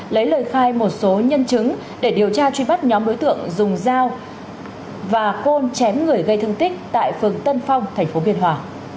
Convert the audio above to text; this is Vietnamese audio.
lấy lời khai một số nhân chứng để điều tra truy bắt nhóm đối tượng dùng dao và côn chém người gây thương tích tại phường tân phong tp biên hòa